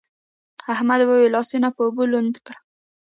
احمد وويل: لاسونه په اوبو لوند کړه.